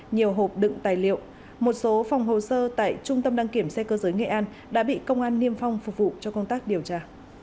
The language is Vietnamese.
nhiều hộp đựng tài liệu một số phòng hồ sơ tại trung tâm đăng kiểm xe cơ giới nghệ an đã bị công an niêm phong phục vụ cho công tác điều tra